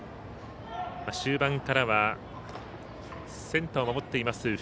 終盤からはセンターを守っています